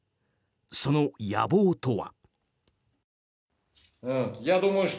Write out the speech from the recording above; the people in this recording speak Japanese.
その野望とは。